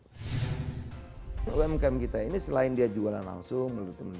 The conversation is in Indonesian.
umkm kita ini selain dia jualan langsung